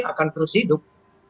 akan terus hidup